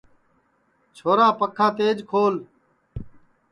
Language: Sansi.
چھورا پکھا تیج کھول